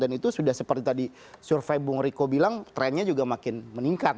dan itu sudah seperti tadi survei bung riko bilang trennya juga makin meningkat